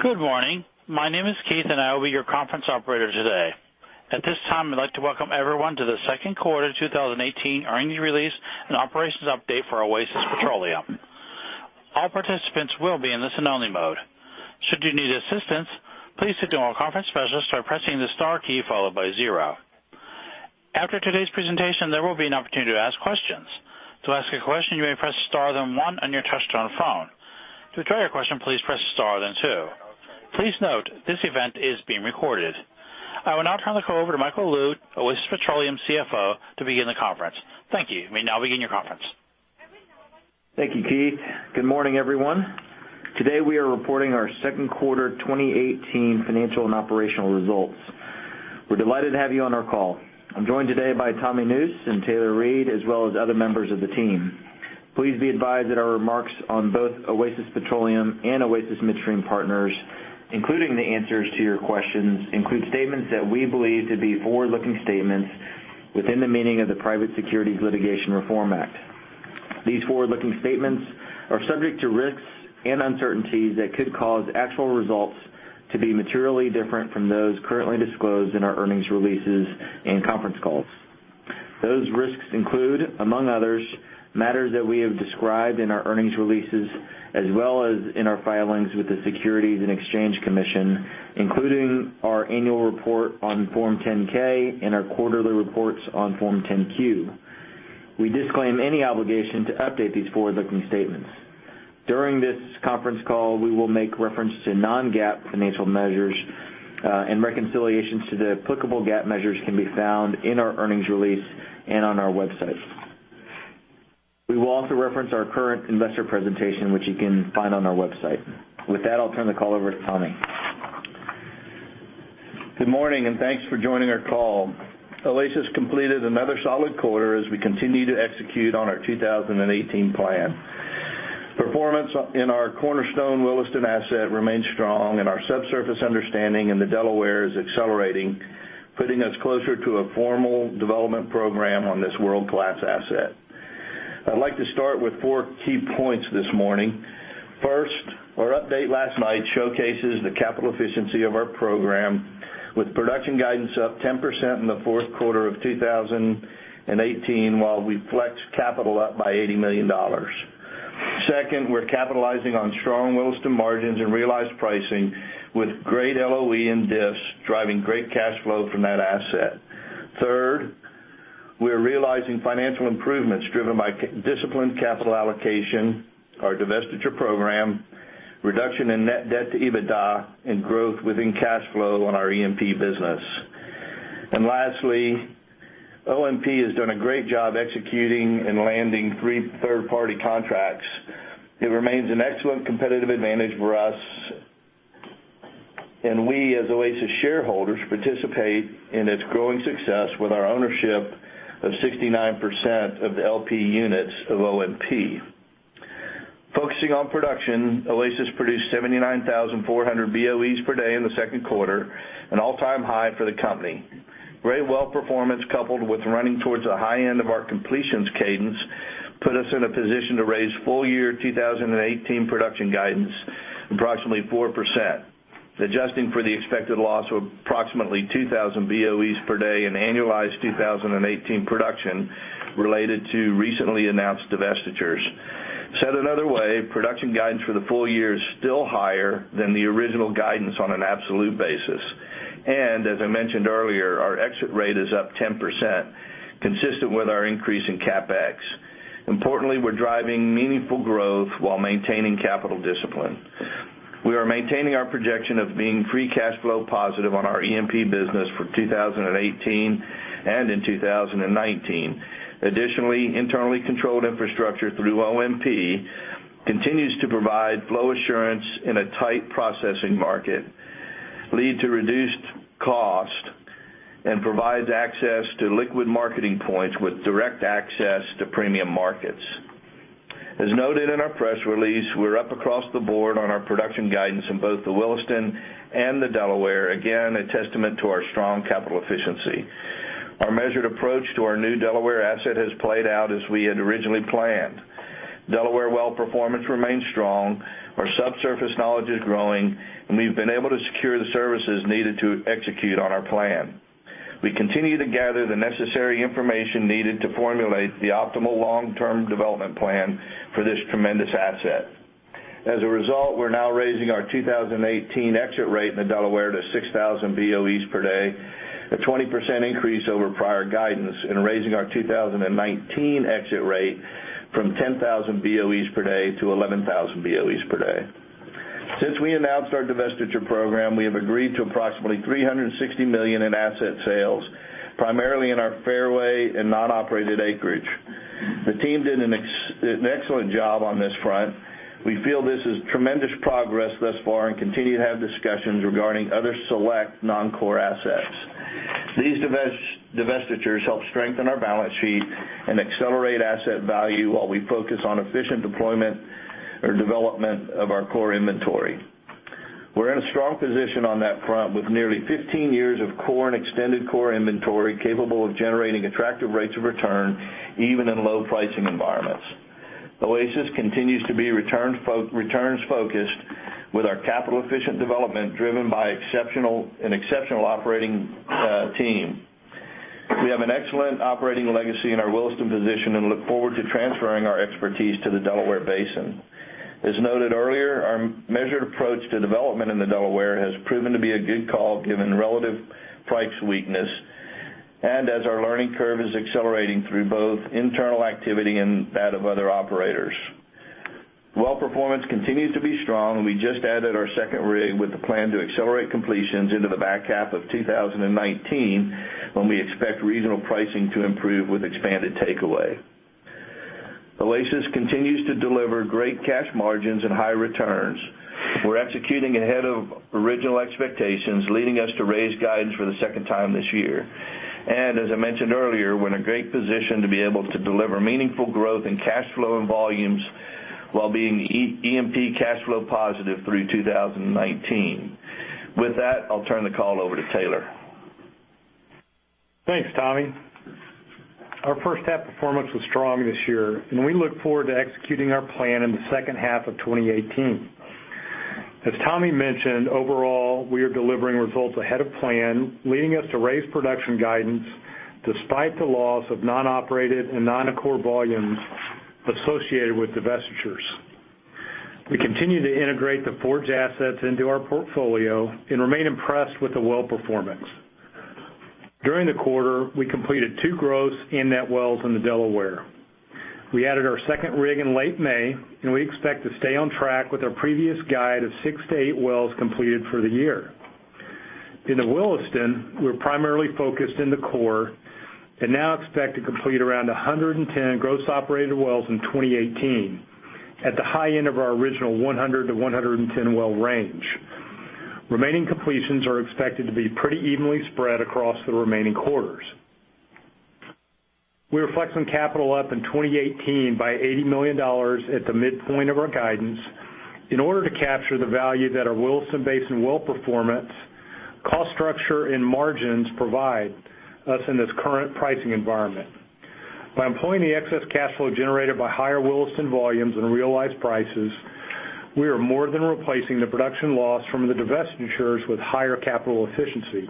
Good morning. My name is Keith, and I will be your conference operator today. At this time, I'd like to welcome everyone to the second quarter 2018 earnings release and operations update for Oasis Petroleum. All participants will be in the listen-only mode. Should you need assistance, please signal a conference specialist by pressing the star key followed by zero. After today's presentation, there will be an opportunity to ask questions. To ask a question, you may press star, then one on your touch-tone phone. To withdraw your question, please press star, then two. Please note, this event is being recorded. I will now turn the call over to Michael Lou, Oasis Petroleum CFO, to begin the conference. Thank you. You may now begin your conference. Thank you, Keith. Good morning, everyone. Today, we are reporting our second quarter 2018 financial and operational results. We're delighted to have you on our call. I'm joined today by Tommy Nusz and Taylor Reid, as well as other members of the team. Please be advised that our remarks on both Oasis Petroleum and Oasis Midstream Partners, including the answers to your questions, include statements that we believe to be forward-looking statements within the meaning of the Private Securities Litigation Reform Act. These forward-looking statements are subject to risks and uncertainties that could cause actual results to be materially different from those currently disclosed in our earnings releases and conference calls. Those risks include, among others, matters that we have described in our earnings releases, as well as in our filings with the Securities and Exchange Commission, including our annual report on Form 10-K and our quarterly reports on Form 10-Q. We disclaim any obligation to update these forward-looking statements. During this conference call, we will make reference to non-GAAP financial measures. Reconciliations to the applicable GAAP measures can be found in our earnings release and on our website. We will also reference our current investor presentation, which you can find on our website. With that, I'll turn the call over to Tommy. Good morning. Thanks for joining our call. Oasis completed another solid quarter as we continue to execute on our 2018 plan. Performance in our cornerstone Williston asset remains strong. Our subsurface understanding in the Delaware is accelerating, putting us closer to a formal development program on this world-class asset. I'd like to start with four key points this morning. First, our update last night showcases the capital efficiency of our program, with production guidance up 10% in the fourth quarter of 2018, while we flex capital up by $80 million. Second, we're capitalizing on strong Williston margins and realized pricing, with great LOE and diffs driving great cash flow from that asset. Third, we are realizing financial improvements driven by disciplined capital allocation, our divestiture program, reduction in net debt to EBITDA, and growth within cash flow on our E&P business. Lastly, OMP has done a great job executing and landing three third-party contracts. It remains an excellent competitive advantage for us, and we, as Oasis shareholders, participate in its growing success with our ownership of 69% of the LP units of OMP. Focusing on production, Oasis produced 79,400 BOEs per day in the second quarter, an all-time high for the company. Great well performance, coupled with running towards the high end of our completions cadence, put us in a position to raise full year 2018 production guidance approximately 4%, adjusting for the expected loss of approximately 2,000 BOEs per day in annualized 2018 production related to recently announced divestitures. Said another way, production guidance for the full year is still higher than the original guidance on an absolute basis. As I mentioned earlier, our exit rate is up 10%, consistent with our increase in CapEx. Importantly, we're driving meaningful growth while maintaining capital discipline. We are maintaining our projection of being free cash flow positive on our E&P business for 2018 and in 2019. Additionally, internally controlled infrastructure through OMP continues to provide flow assurance in a tight processing market, lead to reduced cost, and provides access to liquid marketing points with direct access to premium markets. As noted in our press release, we're up across the board on our production guidance in both the Williston and the Delaware. Again, a testament to our strong capital efficiency. Our measured approach to our new Delaware asset has played out as we had originally planned. Delaware well performance remains strong. Our subsurface knowledge is growing, and we've been able to secure the services needed to execute on our plan. We continue to gather the necessary information needed to formulate the optimal long-term development plan for this tremendous asset. As a result, we're now raising our 2018 exit rate in the Delaware to 6,000 BOEs per day, a 20% increase over prior guidance, and raising our 2019 exit rate from 10,000 BOEs per day to 11,000 BOEs per day. Since we announced our divestiture program, we have agreed to approximately $360 million in asset sales, primarily in our fairway and non-operated acreage. The team did an excellent job on this front. We feel this is tremendous progress thus far and continue to have discussions regarding other select non-core assets. These divestitures help strengthen our balance sheet and accelerate asset value while we focus on efficient deployment or development of our core inventory. We're in a strong position on that front with nearly 15 years of core and extended core inventory capable of generating attractive rates of return even in low pricing environments. Oasis continues to be returns focused with our capital efficient development driven by an exceptional operating team. We have an excellent operating legacy in our Williston position and look forward to transferring our expertise to the Delaware Basin. As noted earlier, our measured approach to development in the Delaware has proven to be a good call given relative price weakness and as our learning curve is accelerating through both internal activity and that of other operators. Well performance continues to be strong, and we just added our second rig with the plan to accelerate completions into the back half of 2019, when we expect regional pricing to improve with expanded takeaway. Oasis continues to deliver great cash margins and high returns. We're executing ahead of original expectations, leading us to raise guidance for the second time this year. As I mentioned earlier, we're in a great position to be able to deliver meaningful growth in cash flow and volumes while being E&P cash flow positive through 2019. With that, I'll turn the call over to Taylor. Thanks, Tommy. Our first half performance was strong this year, and we look forward to executing our plan in the second half of 2018. As Tommy mentioned, overall, we are delivering results ahead of plan, leading us to raise production guidance despite the loss of non-operated and non-core volumes associated with divestitures. We continue to integrate the Forge assets into our portfolio and remain impressed with the well performance. During the quarter, we completed two in the Delaware. We added our second rig in late May. We expect to stay on track with our previous guide of six to eight wells completed for the year. In the Williston, we're primarily focused in the core. Now expect to complete around 110 gross operated wells in 2018 at the high end of our original 100 to 110 well range. Remaining completions are expected to be pretty evenly spread across the remaining quarters. We are flexing capital up in 2018 by $80 million at the midpoint of our guidance in order to capture the value that our Williston Basin well performance, cost structure, and margins provide us in this current pricing environment. By employing the excess cash flow generated by higher Williston volumes and realized prices, we are more than replacing the production loss from the divestitures with higher capital efficiency.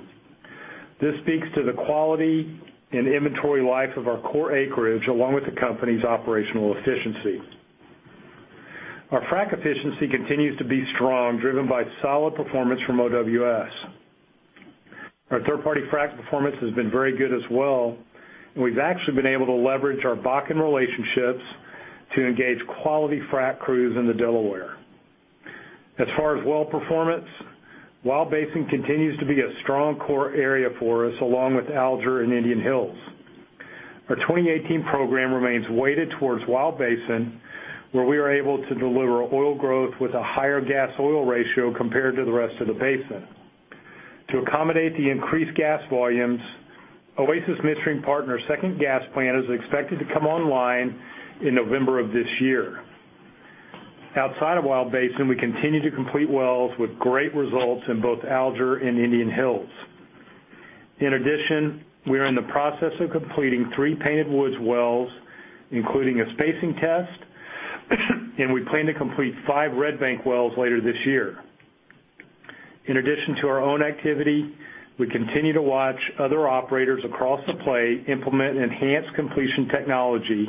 This speaks to the quality and inventory life of our core acreage, along with the company's operational efficiency. Our frack efficiency continues to be strong, driven by solid performance from OWS. Our third-party frack performance has been very good as well. We've actually been able to leverage our Bakken relationships to engage quality frack crews in the Delaware. As far as well performance, Wild Basin continues to be a strong core area for us, along with Alger and Indian Hills. Our 2018 program remains weighted towards Wild Basin, where we are able to deliver oil growth with a higher gas oil ratio compared to the rest of the basin. To accommodate the increased gas volumes, Oasis Midstream Partners' second gas plant is expected to come online in November of this year. Outside of Wild Basin, we continue to complete wells with great results in both Alger and Indian Hills. In addition, we are in the process of completing three Painted Woods wells, including a spacing test. We plan to complete five Red Bank wells later this year. In addition to our own activity, we continue to watch other operators across the play implement enhanced completion technology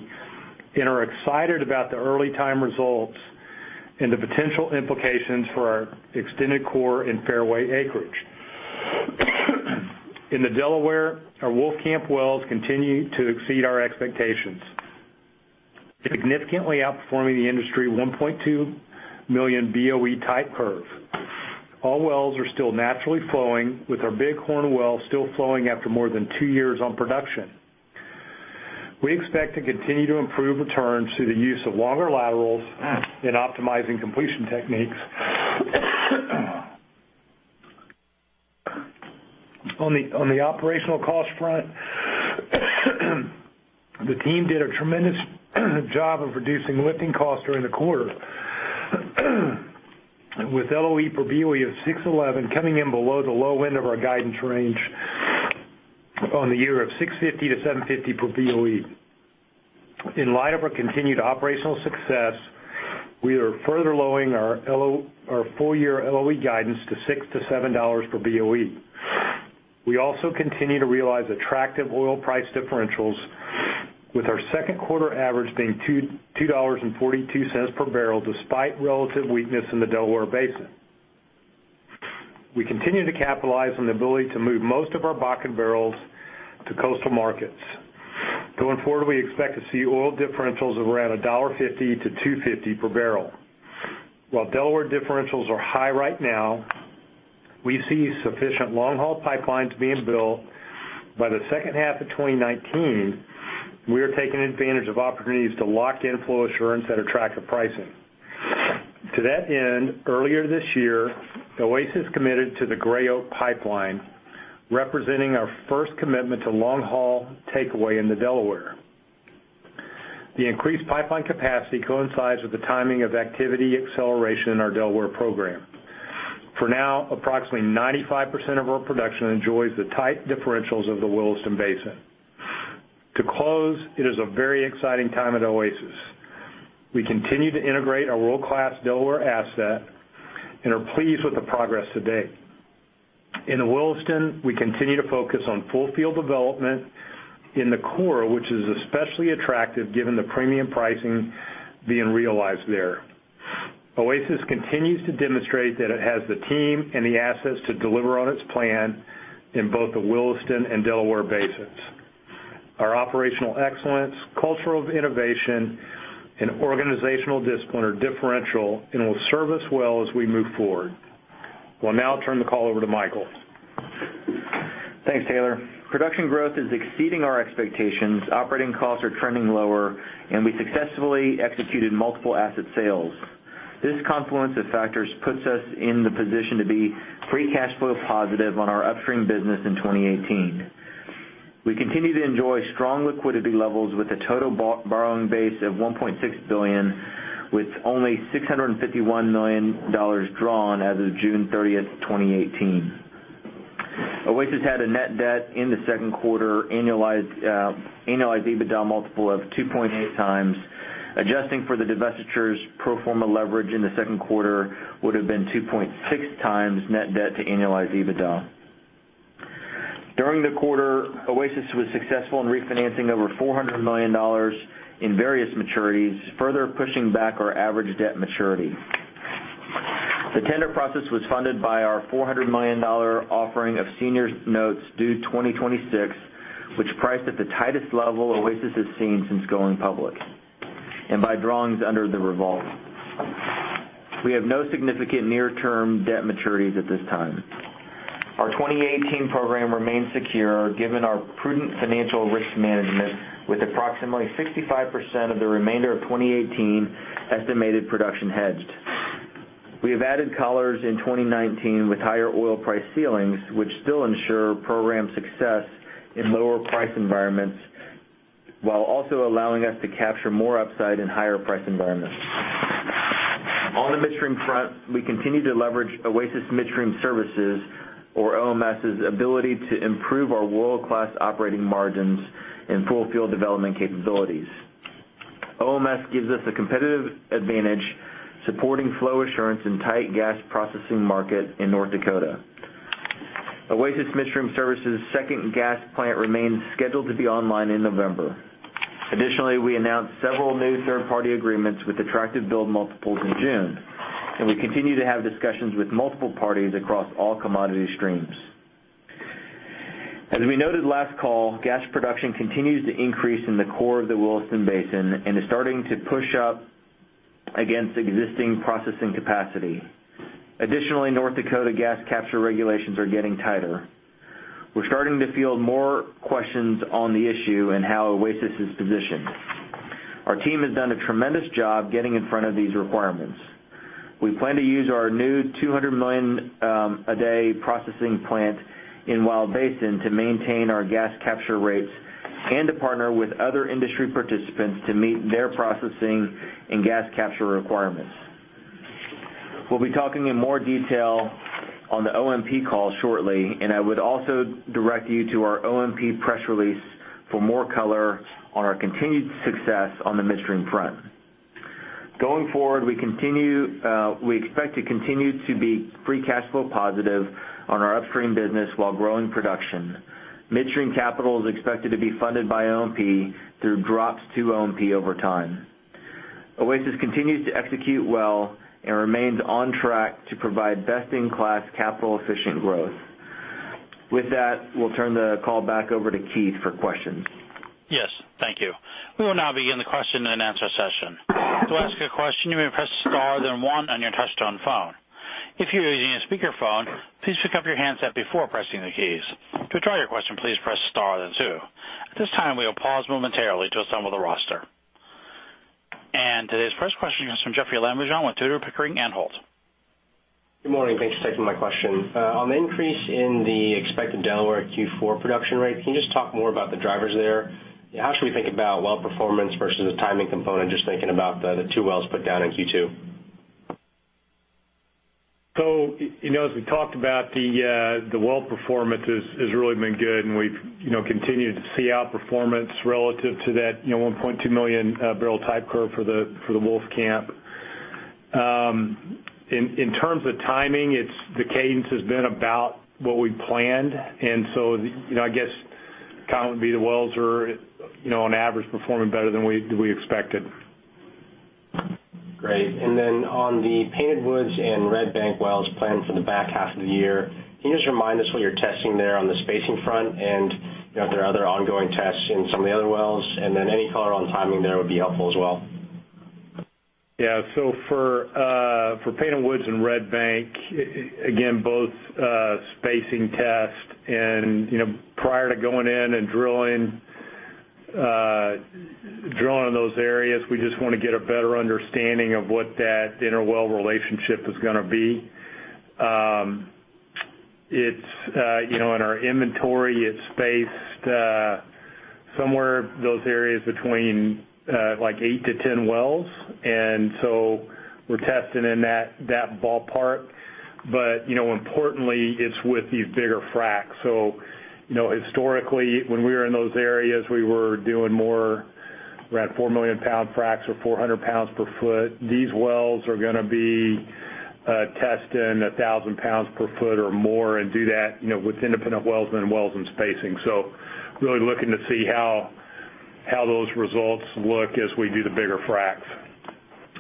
and are excited about the early time results and the potential implications for our extended core and fairway acreage. In the Delaware, our Wolfcamp wells continue to exceed our expectations, significantly outperforming the industry 1.2 million BOE type curve. All wells are still naturally flowing, with our Big Horn well still flowing after two years on production. We expect to continue to improve returns through the use of longer laterals and optimizing completion techniques. On the operational cost front, the team did a tremendous job of reducing lifting costs during the quarter. With LOE per BOE of $6.11 coming in below the low end of our guidance range on the year of $6.50 to $7.50 per BOE. In light of our continued operational success, we are further lowering our full-year LOE guidance to $6 to $7 per BOE. We also continue to realize attractive oil price differentials with our second quarter average being $2.42 per barrel, despite relative weakness in the Delaware Basin. We continue to capitalize on the ability to move most of our Bakken barrels to coastal markets. Going forward, we expect to see oil differentials of around $1.50 to $2.50 per barrel. Delaware differentials are high right now, we see sufficient long-haul pipelines being built by the second half of 2019. We are taking advantage of opportunities to lock in flow assurance at attractive pricing. Earlier this year, Oasis committed to the Gray Oak Pipeline, representing our first commitment to long-haul takeaway in the Delaware. The increased pipeline capacity coincides with the timing of activity acceleration in our Delaware program. For now, approximately 95% of our production enjoys the tight differentials of the Williston Basin. It is a very exciting time at Oasis. We continue to integrate our world-class Delaware asset and are pleased with the progress to date. In the Williston, we continue to focus on full field development in the core, which is especially attractive given the premium pricing being realized there. Oasis continues to demonstrate that it has the team and the assets to deliver on its plan in both the Williston and Delaware Basins. Our operational excellence, culture of innovation, and organizational discipline are differential and will serve us well as we move forward. We'll now turn the call over to Michael. Thanks, Taylor. Production growth is exceeding our expectations, operating costs are trending lower, and we successfully executed multiple asset sales. This confluence of factors puts us in the position to be free cash flow positive on our upstream business in 2018. We continue to enjoy strong liquidity levels with a total borrowing base of $1.6 billion, with only $651 million drawn as of June 30, 2018. Oasis had a net debt in the second quarter, annualized EBITDA multiple of 2.8 times. Adjusting for the divestitures, pro forma leverage in the second quarter would've been 2.6 times net debt to annualize EBITDA. During the quarter, Oasis was successful in refinancing over $400 million in various maturities, further pushing back our average debt maturity. The tender process was funded by our $400 million offering of senior notes due 2026, which priced at the tightest level Oasis has seen since going public, and by drawings under the revolve. We have no significant near-term debt maturities at this time. Our 2018 program remains secure given our prudent financial risk management, with approximately 65% of the remainder of 2018 estimated production hedged. We have added collars in 2019 with higher oil price ceilings, which still ensure program success in lower price environments, while also allowing us to capture more upside in higher price environments. On the midstream front, we continue to leverage Oasis Midstream Services, or OMS's ability to improve our world-class operating margins and full field development capabilities. OMS gives us a competitive advantage supporting flow assurance in tight gas processing market in North Dakota. Oasis Midstream Services' second gas plant remains scheduled to be online in November. Additionally, we announced several new third-party agreements with attractive build multiples in June, and we continue to have discussions with multiple parties across all commodity streams. As we noted last call, gas production continues to increase in the core of the Williston Basin and is starting to push up against existing processing capacity. Additionally, North Dakota gas capture regulations are getting tighter. We're starting to field more questions on the issue and how Oasis is positioned. Our team has done a tremendous job getting in front of these requirements. We plan to use our new 200 million a day processing plant in Wild Basin to maintain our gas capture rates and to partner with other industry participants to meet their processing and gas capture requirements. We'll be talking in more detail on the OMP call shortly. I would also direct you to our OMP press release for more color on our continued success on the midstream front. Going forward, we expect to continue to be free cash flow positive on our upstream business while growing production. Midstream capital is expected to be funded by OMP through drops to OMP over time. Oasis continues to execute well and remains on track to provide best-in-class capital efficient growth. With that, we'll turn the call back over to Keith for questions. Yes. Thank you. We will now begin the question and answer session. To ask a question, you may press star then one on your touch-tone phone. If you are using a speakerphone, please pick up your handset before pressing the keys. To withdraw your question, please press star then two. At this time, we will pause momentarily to assemble the roster. Today's first question comes from Jeoffrey Lambujon with Tudor, Pickering, Holt & Co. Good morning. Thanks for taking my question. On the increase in the expected Delaware Q4 production rate, can you just talk more about the drivers there? How should we think about well performance versus the timing component? Just thinking about the two wells put down in Q2. As we talked about, the well performance has really been good, and we've continued to see outperformance relative to that 1.2 million barrel type curve for the Wolfcamp. In terms of timing, the cadence has been about what we planned, I guess, comment would be the wells are on average performing better than we expected. Great. On the Painted Woods and Red Bank wells planned for the back half of the year, can you just remind us what you're testing there on the spacing front, and if there are other ongoing tests in some of the other wells? Any color on timing there would be helpful as well. Yeah. For Painted Woods and Red Bank, again, both spacing test and prior to going in and drilling those areas, we just want to get a better understanding of what that inter-well relationship is going to be. It's in our inventory, it's spaced somewhere, those areas between eight to 10 wells. We're testing in that ballpark. Importantly, it's with these bigger fracs. Historically, when we were in those areas, we were doing more around four million pound fracs or 400 pounds per foot. These wells are going to be testing 1,000 pounds per foot or more and do that with independent wells than wells in spacing. Really looking to see how those results look as we do the bigger fracs.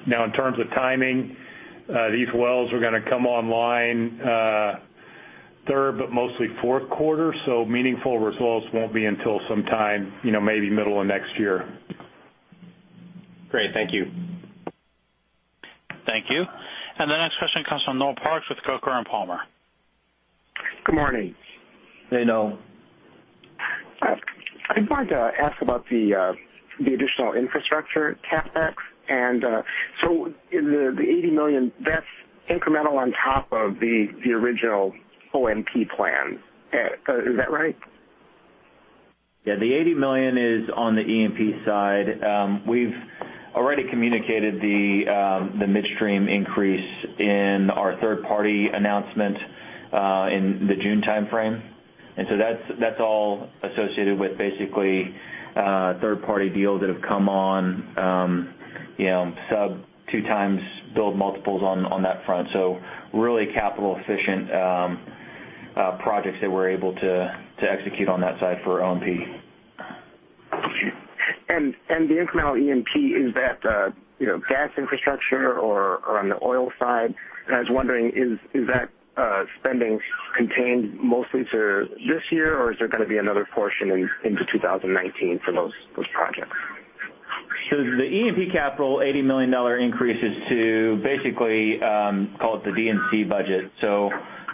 In terms of timing, these wells are going to come online third, but mostly fourth quarter, so meaningful results won't be until sometime, maybe middle of next year. Great. Thank you. Thank you. The next question comes from Noel Parks with Coker & Palmer. Good morning. Hey, Noel. I'd like to ask about the additional infrastructure CapEx. The $80 million, that's incremental on top of the original OMP plan. Is that right? Yeah, the $80 million is on the E&P side. We've already communicated the midstream increase in our third-party announcement, in the June timeframe. That's all associated with basically, third-party deals that have come on sub 2 times build multiples on that front. Really capital efficient projects that we're able to execute on that side for OMP. The incremental E&P, is that gas infrastructure or on the oil side? I was wondering, is that spending contained mostly to this year, or is there going to be another portion into 2019 for those projects? The E&P capital $80 million increase is to basically, call it the D&C budget.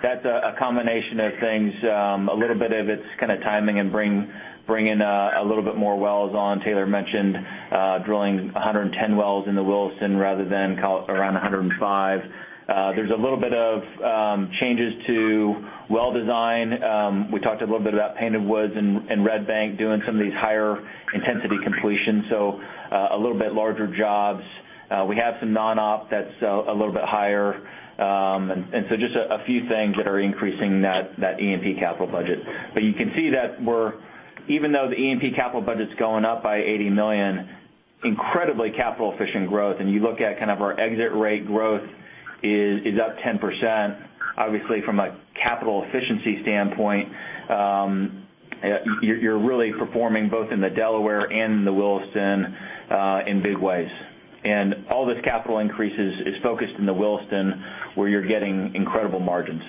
That's a combination of things. A little bit of it's kind of timing and bring in a little bit more wells on. Taylor Reid mentioned drilling 110 wells in the Williston rather than around 105. There's a little bit of changes to well design. We talked a little bit about Painted Woods and Red Bank doing some of these higher intensity completions, so a little bit larger jobs. We have some non-op that's a little bit higher. Just a few things that are increasing that E&P capital budget. You can see that even though the E&P capital budget's going up by $80 million, incredibly capital efficient growth, and you look at our exit rate growth is up 10%. Obviously, from a capital efficiency standpoint, you're really performing both in the Delaware and the Williston, in big ways. All this capital increase is focused in the Williston, where you're getting incredible margins.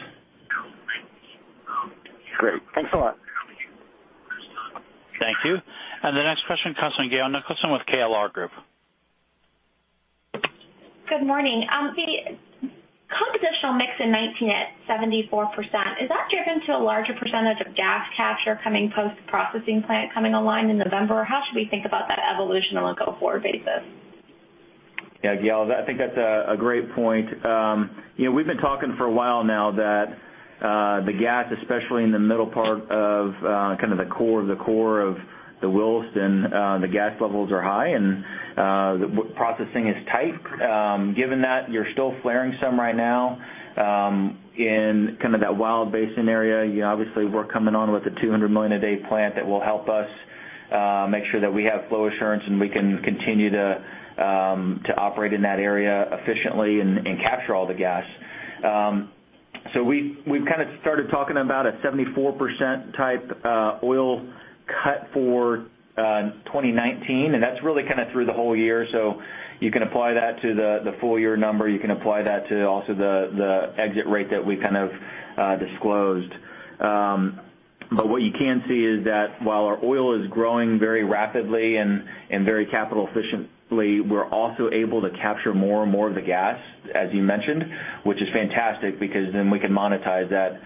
Great. Thanks a lot. Thank you. The next question coming from John Gerdes with KLR Group. Good morning. The compositional mix in 2019 at 74%, is that driven to a larger percentage of gas capture coming post processing plant coming online in November? Or how should we think about that evolution on a go-forward basis? Yeah, Gerdes, I think that's a great point. We've been talking for a while now that the gas, especially in the middle part of the core of the Williston, the gas levels are high, and processing is tight. Given that you're still flaring some right now, in that Wild Basin area, obviously we're coming on with a 200 million a day plant that will help us make sure that we have flow assurance, and we can continue to operate in that area efficiently and capture all the gas. We've started talking about a 74% type oil cut for 2019, and that's really through the whole year. You can apply that to the full-year number. You can apply that to also the exit rate that we disclosed. What you can see is that while our oil is growing very rapidly and very capital efficiently, we're also able to capture more and more of the gas, as you mentioned, which is fantastic because then we can monetize that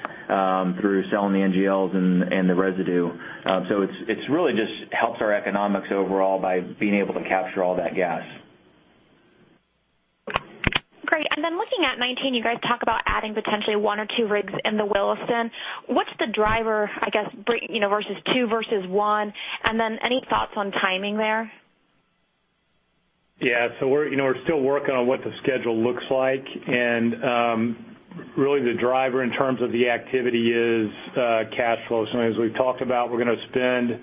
through selling the NGLs and the residue. It really just helps our economics overall by being able to capture all that gas. Great. Looking at 2019, you guys talk about adding potentially one or two rigs in the Williston. What's the driver, I guess, versus two versus one? Any thoughts on timing there? Yeah. We're still working on what the schedule looks like. Really the driver in terms of the activity is cash flow. As we've talked about, we're going to spend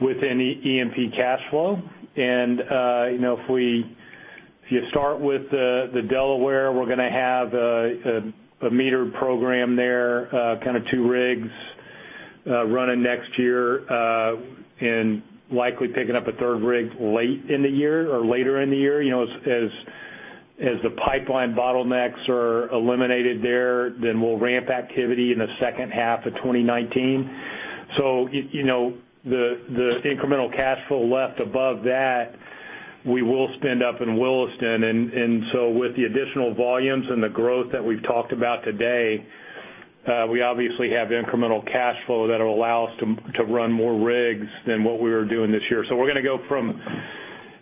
within E&P cash flow. If you start with the Delaware, we're going to have a metered program there, two rigs running next year, and likely picking up a third rig late in the year or later in the year. As the pipeline bottlenecks are eliminated there, we'll ramp activity in the second half of 2019. The incremental cash flow left above that, we will spend up in Williston. With the additional volumes and the growth that we've talked about today, we obviously have incremental cash flow that'll allow us to run more rigs than what we were doing this year. We're going to go from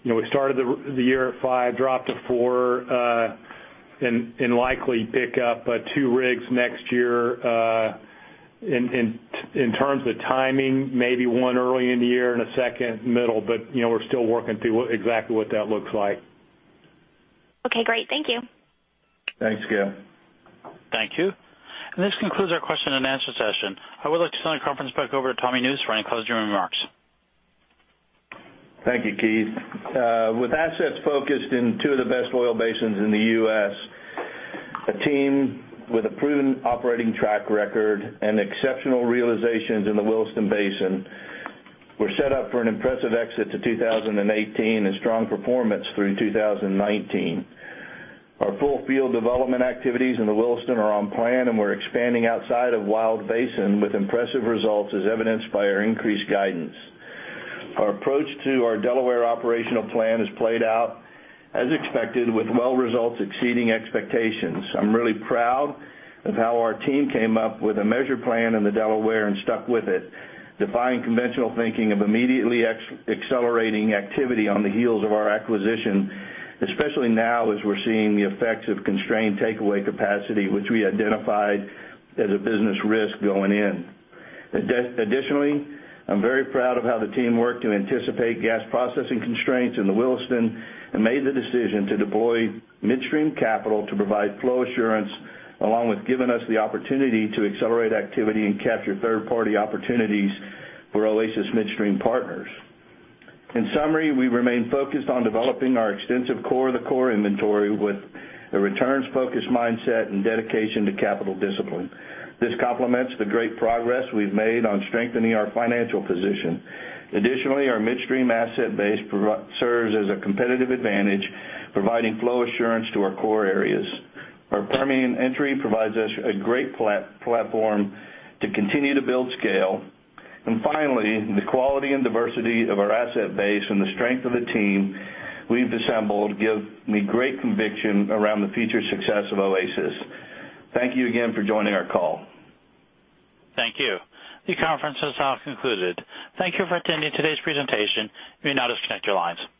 We started the year at five, dropped to four, and likely pick up two rigs next year. In terms of timing, maybe one early in the year and a second middle, but we're still working through exactly what that looks like. Okay, great. Thank you. Thanks, Gayle. Thank you. This concludes our question and answer session. I would like to turn the conference back over to Tommy Nusz for any closing remarks. Thank you, Keith. With assets focused in two of the best oil basins in the U.S., a team with a proven operating track record, and exceptional realizations in the Williston Basin, we're set up for an impressive exit to 2018 and strong performance through 2019. Our full field development activities in the Williston are on plan, and we're expanding outside of Wild Basin with impressive results, as evidenced by our increased guidance. Our approach to our Delaware operational plan has played out as expected, with well results exceeding expectations. I'm really proud of how our team came up with a measured plan in the Delaware and stuck with it, defying conventional thinking of immediately accelerating activity on the heels of our acquisition, especially now, as we're seeing the effects of constrained takeaway capacity, which we identified as a business risk going in. Additionally, I'm very proud of how the team worked to anticipate gas processing constraints in the Williston and made the decision to deploy midstream capital to provide flow assurance, along with giving us the opportunity to accelerate activity and capture third-party opportunities for Oasis Midstream Partners. In summary, we remain focused on developing our extensive core of the core inventory with a returns-focused mindset and dedication to capital discipline. This complements the great progress we've made on strengthening our financial position. Additionally, our midstream asset base serves as a competitive advantage, providing flow assurance to our core areas. Our Permian entry provides us a great platform to continue to build scale. Finally, the quality and diversity of our asset base and the strength of the team we've assembled give me great conviction around the future success of Oasis. Thank you again for joining our call. Thank you. The conference has now concluded. Thank you for attending today's presentation. You may now disconnect your lines.